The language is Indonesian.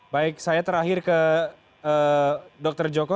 baik saya terakhir ke dr joko